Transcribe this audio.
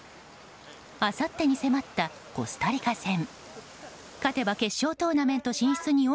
あさってに迫ったコスタリカ戦。